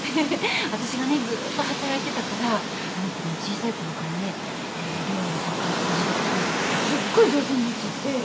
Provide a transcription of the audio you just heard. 私がねずっと働いてたからあの子もう小さい頃からねえぇ料理とか掃除とか洗濯とかすっごい上手になっちゃって。